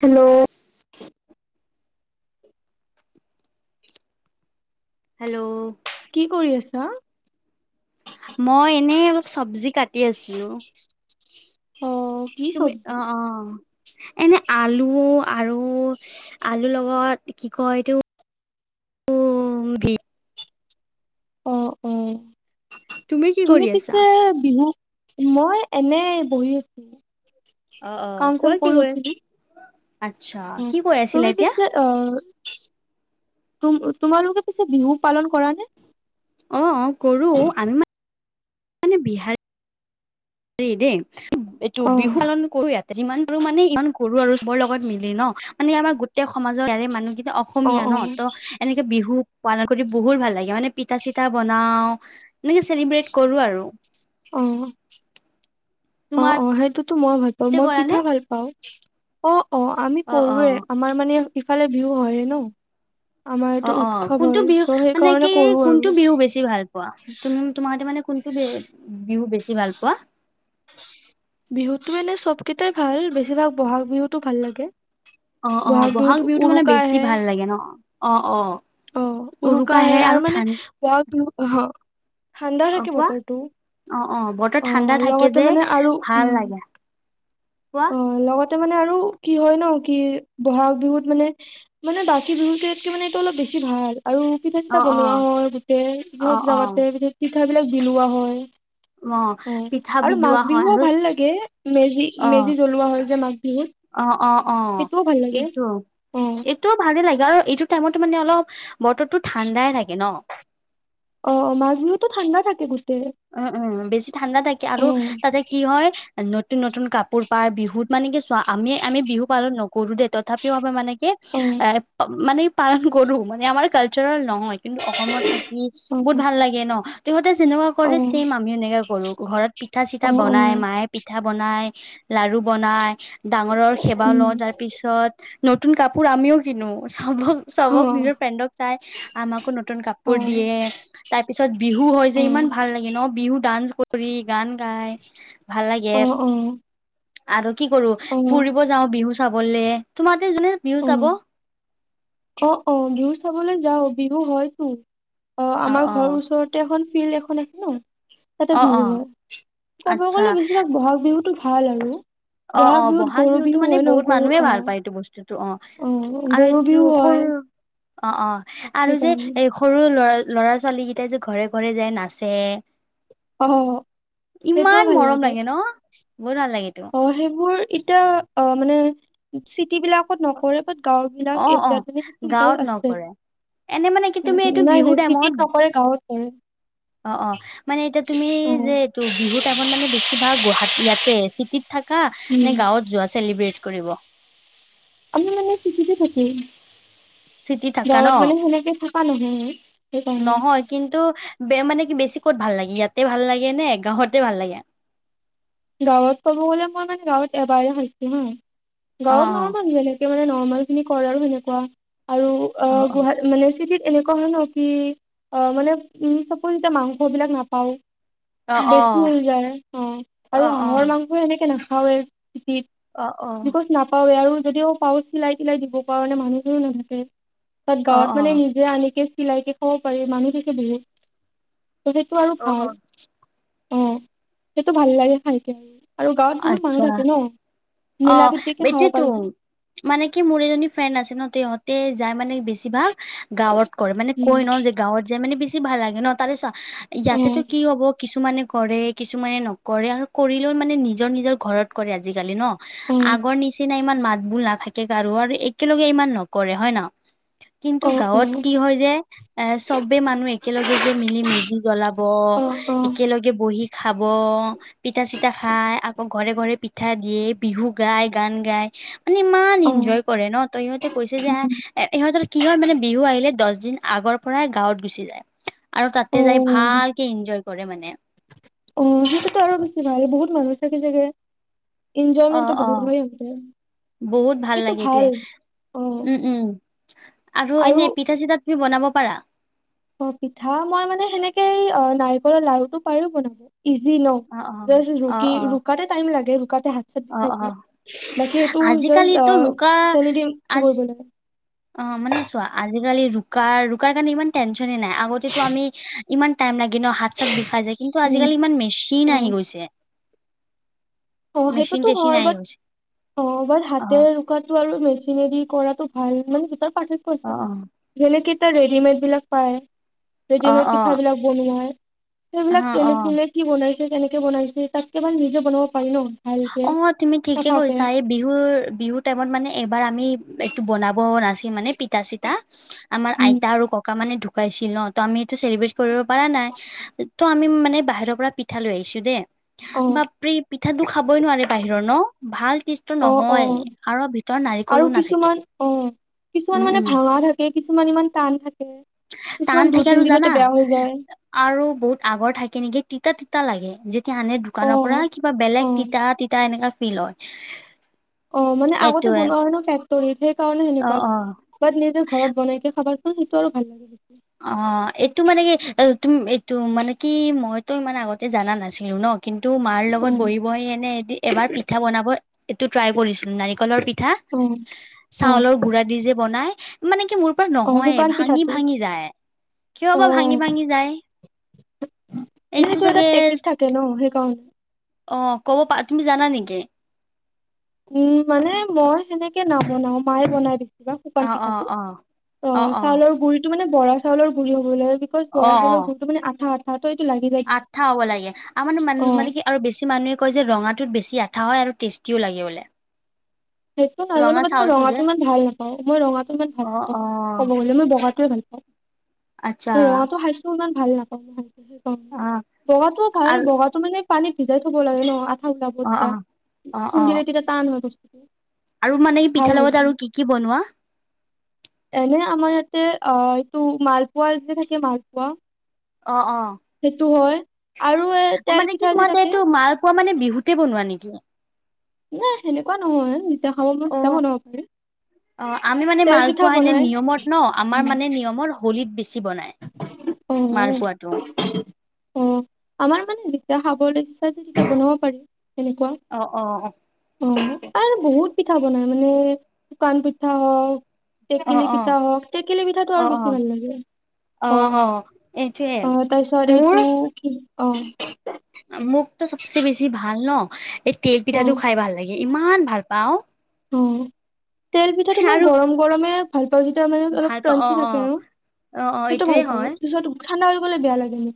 Hello. Hello. কি কৰি আছা? মই এনেই অলপ চব্জি কাটি আছিলো। অ কি তুমি চব্জি অ অ এনেই আলু আৰু আলুৰ লগত কি কয় এইটো [inaudible] অ অ কি তুমি কৰি আছা? পিছে বিহু। মই এনেই বহি আছো, অ অ কাম চাম কোৱা কি কৰি কৈ আছ উঠিলোঁ। আচ্ছা উ কি কৈ আছিলা তুমি এতিয়া? পিছে অ। তুম তোমালোকে পিছে বিহু পালন কৰা নে? অ কৰোঁ আনম। মানে বিহাৰ। হেৰি দেই এইটো অ বিহু পালন কৰ। যিমান পাৰো আৰু মানে ইমান কৰো আৰু চবৰ লগত মিলি ন মানে আমাৰ গোটেই সমাজৰে মানুহ কি। অ অসমীয়া ন ত অ এনেকে বিহু। পালন কৰি বহুত ভাল লাগে মানে পিঠা চিঠা বনাও এনেকে চেলিব্ৰেট কৰো আৰু। অ অ তোমাৰ। অ সেইটোতো মই ভাল পাওঁ তাতে মই কৰা নে? পিঠা ভাল পাও অ অ আমি অ', কৰোৱে অ', আমাৰ মানে। সিফালে বিহু হয় ন-। আমাৰ অ এইটো অ উৎসৱ কোনটো হয় বিহু চ' মানে সেইকাৰণে কি কৰো আৰু কোনটো বিহু বেছি ভাল পোৱা তুমি তোমাৰতে মানে কোনটো। বিহু বেছি। ভাল পোৱা? বিহুতো এনেই। চবকেইটাই ভাল বেছিভাগ বহাগ বিহুতো ভাল লাগে। অ অ বিহুত ব'হাগ বিহুতো মানে উৰুকা বেছি আহে ভাল লাগে ন অ অ। অ উৰুকা আহে আৰু মানে ব'হাগ বিহু ঠাণ্ডা অ', থাকে কোৱা? বতৰটো। অ', অ বতৰ ঠাণ্ডা থাকে লগতে যে মানে আৰু উম ভাল লাগে, কোৱা। ত মানে আৰু কি হয় ন কি বহাগ বিহুত মানে মানে বাকী বিহুত কে ইয়াতকে মানে এইটো অলপ বেছি বেছি ভাল। আৰু পিঠা চিঠা অ', বনোৱা অ', হয় গোটেই চব অ', অ', জাগাতে পিঠ বিলাক বিলোৱা হয়। অ পিঠা আৰু মাঘ বিলোৱা হয় বিহুও আৰু ভাল লাগে মেজি মেজি অ', জ্বলোৱা হয় যে মাঘ বি অ অ অ এইটো অ এইটো ভালেই লাগি। এইটো টাইমতে মানে অলপ বতৰটো ঠাণ্ডাই থাকে ন? অ মাঘ বিহুতো ঠাণ্ডা থাকে গোটেই উম উম বেছি ঠাণ্ডা থাকে অ আৰু তাতে কি হয় নতুন নতুন কাপোৰ পায় বিহুত মানে কি চোৱা আমি আমি বিহু পালন নকৰো দেই তথাপিও আমি মানে কি অ এ মানে পালন কৰো মানে আমাৰ কালচাৰেল নহয় কিন্তু অসমত থাকি অ বহুত ভাল লাগে ন। সিহঁতে যেনেকুৱা অ কৰে চেম আমি এনেকা কৰো ঘৰত পিঠা অ অ চিঠা বনাই মায়ে পিঠা পিঠা বনাই, লাডু বনাই, ডাঙৰৰ সেৱা উম লওঁ তাৰ পিছত নতুন কাপোৰ আমিও কিনো। চব চবক অ নিজৰ ফ্ৰেণ্ডক চাই আমাকো নতুন অ', কাপোৰ দিয়ে, তাৰ পিছত বিহু কয় যে ইমান অ', ভাল লাগে ন বিহু ডান্স কৰি গান গাই ভাল লাগে। অ', অ', আৰু কি কৰো অ', ফুৰিব যাওঁ বিহু চাবলে তোমাৰ অ অ অ বিহু চাবলৈ যাও, বিহু হয়তো। অ আমাৰ ঘৰৰ ওচৰতে এখন ফিল্ড এখন আছে ন। তাতে অ অ বিহু হয়, ক'ব আচ্ছা গ'লে বেছিভাগ বহাগ বিহুটো ভাল আৰু। অ অ বিহুত ব'হাগ গৰু বিহুতো বিহু মানে হয় ন বহুত গৰু মানুহে ভাল অ', পায় এইটো বস্তুত। অ অ', আৰু গৰু এইটো বিহু হয় সৰু অ অ আৰু যে সেইকাৰণে এই সৰু ল'ৰা ল'ৰা -ছোৱালী কেইটাই যে ঘৰে ঘৰে যাই নাচে, অ', সেইটোও ইমান ভাল মৰম লাগে ন বহুত ভাল লাগে তেওঁ। অ', সেইবোৰ এতিয়া অ মানে চিটি বিলাকত নকৰে বাত গাঁও অ বিলাক অ এৰিয়াত মানে সেইটো এতিয়াও গাঁৱত নকৰে এনে মানে কি আছে। তুমি এইটো উ নাই বিহু নাই চিটিত টাইমত নকৰে গাঁৱত কৰে। অ অ মানে এতিয়া তুমি অ', যে এইটো বিহুৰ টাইমত মানে বেছিভাগ গুৱাহাটী ইয়াতে চিটিত থাকা নে উম, গাঁৱত যোৱা চেলিব্ৰেট কৰিব? আমি মানে চিটিতে থাকিম, চিটি থাকা ন গাঁৱত মানে সেনেকে থকা নহয়। সেইকাৰণে নহয় কিন্তু বে মানে কি বেছি বেছি ক'ত ভাল লাগে ইয়াতে ভাল লাগে নে গাঁওতে ভাল লাগে? গাঁৱত কব গ'লে মই মানে গাঁৱত এবাৰ খছো হা অ গাঁৱত ন মান গলে মানে নৰ্মেল খিনি কৰে আৰু সেনেকুৱা, আৰু অ গোসা মানে চিতিত এনেকুৱা হয় ন কি অ মানে উম চবকুৰিতে মাংস বিলাক নাপাই। অ বেছি হৈ যায় অ। আৰু অ অ। হাঁহৰ মাংস এনেকে নাখাওৱে [unintelligible] অ অ বিকজ নাপাওে আৰু যদিও পাওঁ চিলাই চিলাই দিব পাও মানে মানুহ জোৰো নাথাকে তাত অ অ গাঁৱত অ মানে নিজে আনকে চিলাইকে খাব পাৰি মানুহ থাকে বহুত সেইটো আৰু অ ভাল। অ অ সেইটো ভাল লাগে খাই খাই আৰু গাঁৱত বহুত মানুহ আচ্ছা থাকে ন। অ মিলা প্ৰীতিকে খাব এটোৱেতো পাৰো মানে কি মোৰ এজনী ফ্ৰেণ্ড আছে ন তিহঁত যাই মানে বেছি ভাগ গাঁৱত কৰে মানে কৈ ন যে গাঁৱত যে মানে বেছি ভাল লাগে ন, তাৰে চোৱা অ ইয়াতেটো কি হ'ব কিছু কিছুমানে কৰে কিছুমানে নকৰে আৰু কৰিলেও মানে নিজৰ নিজৰ ঘৰত কৰে আজিকালি ন? অ আগৰ নিচিনা ইমান মাত বোল নাথাকে কাৰো আৰু একেলগে ইমান নকৰে, হয় ন? কিন্তু অ গাঁৱত কি হয় যে এ চবে মানুহ একেলগে যে মিলি মেজি জলাব অ অ একেলগে বহি খাব পিঠা চিঠা খাই আকৌ ঘৰে ঘৰে পিঠা দিয়ে। বিহু গাই গান গাই। মানে ইমান অ অ এনজয় কৰে ন ত ইহঁতে কৈছে যে এ এ ইহঁতৰ কি হয় মানে বিহু আহিলে দছ দিন আগৰ পৰাই গাঁৱত গুচি যায় আৰু তাতে অ যাই ভালকে এনজয় কৰে মানে। অ সেইটোত আৰু বেছি ভাল বহুত মানুহ থাকে চাগে। অ এনজয়মেন্টটো অ বহুত বঢ়ি হতে বহুত ভাল লাগে এইটোৱে উম উম আৰু এনে পিঠা চিঠাত তুমি বনাব পাৰা? অ পিঠা মই মানে সেনেকে নাৰিকলৰ লাৰুটো পাৰো বনাব। ইজি ন অ অ জাচ অ ৰুকি ৰুকাটে টাইম লাগে। ৰুকাতে হাত চাত অ বিষাই অ যায় বাকী এইটো জাষ্ট আজিকালিতো ৰুকা চেনি দি কি কৰিব আজ লাগে অ মানে চোৱা আজিকালি ৰুকা ৰুকাৰ কাৰণে ইমান টেনচনে নাই আগতেতো আমি ইমান টাইম লাগে ন হাত চাত বিষাই যায় কিন্তু উম আজিকালি ইমান অ মেচিন আহি গৈছে। অ মেচিন সেইটোতো টেচিন হয় আহি বাট গৈছে অ বাট অ হাতে ৰুকাটো আৰু মেছ মেচিনে দি কৰাটো ভাল মানে দুটাৰ পাৰ্থক্য অ আছে ন যেনেক তাৰ ৰেডিমেড বিলাক পায় অ অ ৰেডিমেট অ পিঠাবিলাক বনোৱা হয়। সেইবিলাক হা অ কেনে কোনে কি বনাইছে কেনেকে বনাইছে তাতকে ভাল নিজে বনাব পাৰি ন ভালকে অ তুমি ঠিকে চাফাকে। কৈছা এই বিহুৰ বিহুৰ টাইমত মানে এইবাৰ আমি এইটো বনাব নাছি মানে পিঠা চিতা আমাৰ উম। আইতা আৰু ককা মানে ঢুকাইছিল ন ত আমি এইটো চেলিব্ৰেট কৰিব পৰা নাই ত আমি মানে বাহিৰৰ পৰা পিঠা লৈ আহিছো দেই। অ', বাপৰে পিঠা দুখ খাবই নোৱাৰি বাহিৰৰ ন ভাল টেচটো অ', নহয় অ', আৰু ভিতৰত আৰু নাৰিকলো নাথাকে। কিছুমান অ'। কিছুমান উম মানে উম ভাঙা থাকে কিছুমান ইমান টান থাকে। কিছুমান টান দুই থাকে তিন আৰু জানা দিনতে বেয়া হৈ যায়, আৰু বহুত আগৰ থাকে নেকি তিতা তি তিতা লাগে যেতিয়া আনে দোকানৰ পৰা অ', কিবা বেলেগ অ', তিতা তিতা এনেকা ফিল হয়। অ মানে আগতে এইটোয়ে বনোৱা হয় ন ফেক্টৰীত সেই কাৰণে অ সেনেকুৱা অ নি বাট নিজে ঘৰত বনাইকে চাবাচো সেইটো আৰু ভাল লাগিলে অঁহ এইটো মানে কি এ তুমি এইটো মানে কি মইতো ইমান আগতে জানা নাছিলো ন কিন্তু মাৰ লগত অ'। বহি-বহি এনেই এবাৰ পিঠা বনাব এইটো ট্ৰাই কৰিছিলো নাৰিকলৰ পিঠা অ', অ', চাউলৰ গুড়া দি যে বনাই মানে কি মোৰ পৰা অ', নহয় শুকান পিঠাটো ভাঙি-ভাঙি যায়। কিয় বা অ', ভাঙি-ভাঙি যায় এইটো চাগে অ সেই কণ অঁ কব পাৰা তুমি জানা নেকি? উম মানে মই সেনেকে নাবনাও মায়ে বনাই বেছি। শুকান অ অ পিঠাটো অ অ চাউলৰ গুৰিটো মানে বৰা চাউলৰ গুৰি হব লাগে বিকজ অ বৰা অ চাউলৰ গুৰিটো মানে আঠা-আঠা আঠা হ'ব লাগে আমাৰ মান অ', মানে কি আৰু বেছি মানুহে কয় যে ৰঙাটোত বেছি আ ঠা হয় আৰু টেষ্টিও লাগে বোলে। সেইটো নাজানো ৰঙা বাট মই চাউলটো যে ৰঙাটো ইমান ভাল নাপাওঁ মই ৰঙাটো ইমান ভাল অ নাপাওঁ অ ক'ব গলে মই বগাটো টোৱেই ভাল পাওঁ আচ্ছা মই ৰঙাটো খাইছো ইমান ভাল নাপাওঁ খায়। অ বগাটো ভাল আৰু বগাটো মানে পানীত ভিজাই থ'ব লাগে ন। খায় চাব অ অ তেতিয়া অ অ খুন্দিলে তেতিয়া তান হয় বস্তুটো। আৰু মানে এই ভাল পিঠাৰ হয় লগত আৰু কি কি বনোৱা? এনেই আমাৰ ইয়াতে আহ এইটো মালপোৱা যে থাকে মালপোৱা। অ অ সেইটো হয়। আৰু এ অ তেল মানে কি পিঠা যে তোমালোকে থাকে এইটো মালপোৱা মানে বিহুতে বনোৱা নেকি? নাই সেনেকুৱা নহয় যেতিয়া খাব মন অ তেতিয়া বনাব পাৰি। অ আমি মানে তেল পিঠা মালপোৱা এনে বনাই নিয়মত ন আমাৰ মানে নিয়মত হোলীত বেছি বেছি বনাই মালপোৱাটো অহ আমাৰ মানে যেতিয়া খাবলৈ ইচ্ছা তেতিয়া বনাব পাৰি এনেকুৱা অ', অ', অঁহ আৰু বহুত পিঠা বনাই মানে শুকান পিঠা হওঁক অ', টেকেলি অ', পিঠা হওঁক টেকেলি পিঠাটো আৰু বেছি অ', ভাল লাগে অ', অহ অ', অ', এইটোৱে। অহ তাৰপিছত এইটো কি অহ মোকটো চবচে বেছি ভাল ন এই তেল পিঠাটো অ' খাই ভাল লাগে ইমান ভাল পাওঁ অহ তিল পিঠাটো মই আৰু গৰম-গৰমে যে মানে অলপ ভাল পাওঁ ক্ৰঞ্চি অ', থাকে অ', আৰু অ', অ', সেইটো এইটোয়ে ভাল পাব হয় পিছত ঠাণ্ডা হৈ গলে বেয়া লাগে মোৰ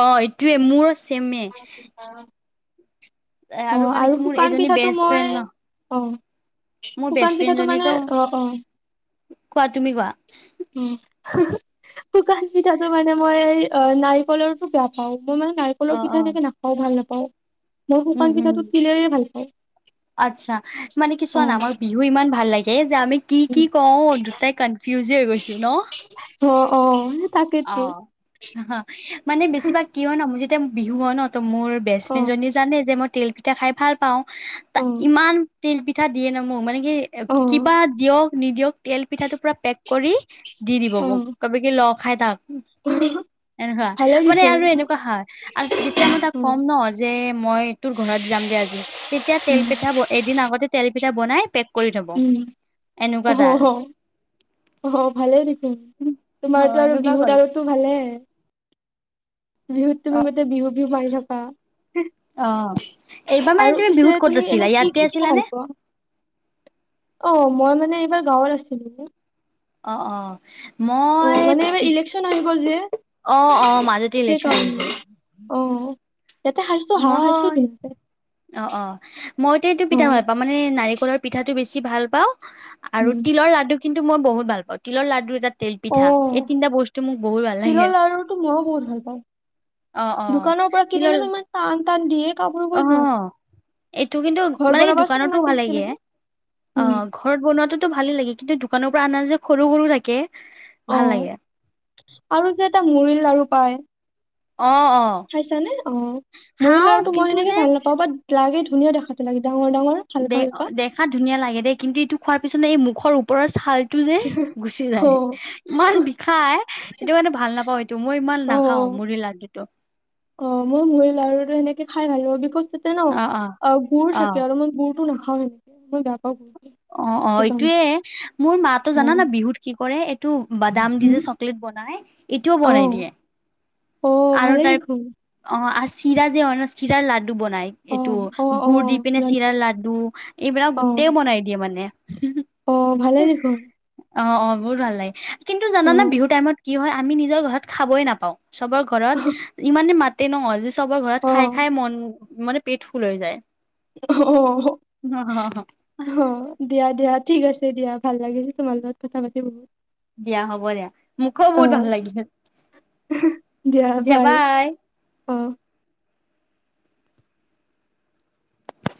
অহ এইটোৱেই মোৰ চেমেই অহ আৰু মোৰ শুকান এজনী পিঠাটো বেষ্ট মই ফ্ৰেণ্ড ন অহ মোৰ বেষ্ট শুকান ফ্ৰেণ্ড পিঠাটো মানে জনীতো অহ অহ কোৱা তুমি কোৱা উম হুম শুকান পিঠাটো মানে মই অহ নাৰিকলৰটো বেয়া পাওঁ মই মানে নাৰিকলৰ অ', পিঠা অ', এনেকে নাখাওঁ ভাল নাপাওঁ মই উম, শুকান উম। পিঠাটো তিলেৰে ভাল পাওঁ আচ্ছা মানে কিছুু অ না আমাক বিহু ইমান ভাল লাগে যে আমি কি কি উম, কওঁ দুটাই কনফিউজে হৈ গৈছো ন অহ অহ অহ মানে বেছিভাগ কিয় নামো যেতিয়া বিহুৱানত [unintelligible] ত মোৰ অ বেষ্টফ্ৰেণ্ডজনী জানে যে মই তিল পিঠা খাই ভাল পাওঁ অ ইমান তিল পিঠা দিয়ে ন মোক মানে কি অ কিবা দিয়ক নিদিয়ক তিল পিঠাটো পুৰা পেক কৰি দি দিব মোক কব কি লগ খাই তাক কিহ [unintelligible] এনেকুৱা মানে আৰু এনেকুৱা হয় আৰু যেতিয়া মই তাক অ কম ন যে মই তোৰ ঘৰত যাম দে আজি তেতিয়া তিল পিঠা এদিন আগতে তিল পিঠা বনাই পেক কৰি থব [unintelligible] উম এনেকুৱা তাৰ অ-অ-অ ভালেই দেখোন অ তোমাৰ আৰু এনেকুৱা বিহুত কৰে আৰুতো ভালে। বিহুত তুমি অ মোতে বিহু বিহু মাৰি থাকা? অ এইবাৰ মানে আৰু তুমি পিছে বিহুত ক'ত তুমি আছিলা এনে কি ইয়াতে কি পিঠা আছিলা নে ভাল পোৱা? অ মই মানে এইবাৰ গাঁৱত আছিলো ন। অ অ। মই এইবাৰ পি ইলেকচন আহি গ'ল যে অহ অহ মাজতে ইলেকশ্যন আহিছিল অহ মই অহ অহ মইতো এইটো পিতা হাঁহ ভাল পাওঁ মানে নাৰিক ওপৰ পিঠাটো বেছি ভাল পাওঁ আৰু উম, তিলৰ লাডু কিন্তু মই বহুত ভাল পাওঁ তিলৰ লাডু এটা তেল পিঠা অহ এই তিনিটা বস্তু মোক বহুত ভাল তিলৰ লাগে লাৰুটো মইয়ো বহুত ভাল পাওঁ অ অ দোকানৰ পৰা কিনিলে নো ইমান টান টান দিয়ে কামুৰিবই অহ নোৱাৰি। এইটো কিন্তু ঘৰত মানে কি বনাবাচোন দোকানতো ইমান ভাল টেষ্টি লাগে উম, অহ ঘৰত বনোৱাতো ভালেই লাগে কিন্তু দোকানৰ পৰা আনা যে সৰু সৰু থাকে ভাল অহ লাগে আৰু যে এটা লাৰু লাৰু পায় অ অ খাইছা নে অহ মুৰৰ খাও লাৰুতো মই কিন্তু সেনেকে যে ভাল নাপাওঁ বাত লাগে ধুনীয়া দেখাটো লাগি দে দেখাত ধুনীয়া লাগে দেই কিন্তু এইটো খোৱাৰ পিছত এই মুখৰ ওপৰৰ ছাল টো যে গুচি যায় অ', ইমান বিষাই সেইটো কাৰণে ভাল নাপাওঁ এইটো মই ইমান নাখাওঁ মুৰি লাডুতো অহ মই মোৰি লাৰু সেনেকে খাই ভাল বিকজ তাতে ন অ অ অহ গুৰ অ থাকে আৰু মই গুৰটো নাখাওঁ এনেকে মই বেয়া পাওঁ অহ অহ সেইকাৰণে এইটোয়ে মোৰ মাহতো অ জানানা বিহুত কি কৰে এইটো বাদাম দি হম যে চকলেট বনাই এইটোও অ বনাই দিয়ে অ আৰু ভালেই তাৰ দেখোন অহ আৰু চিৰা যে চিৰাৰ লাডু তো বনাই অ এইটো অ অ গুৰ দি পিনে জানো চিৰাৰ লাডু এইবিলাক গোটেই বনাই দিয়ে মানে অহ ভালে দেখোন অ অ বহুত ভাল লাগে কিন্তু অ জানানা বিহুৰ টাইমত কি হয় আমি নিজৰ ঘৰত খাবই নাপাওঁ। চবৰ ঘৰত ইমানে মাতে ন যে চবৰ ঘৰত অ খাই খাই মন মানে পেট ফুল হৈ যায়। অ অ দিয়া দিয়া। ঠিক আছে দিয়া ভাল লাগিল তোমাৰ লগত কথা পাতি বহুত। দিয়া হ'ব দিয়া মোকো অ বহুত ভাল লাগিল। দিয়া বাই। অ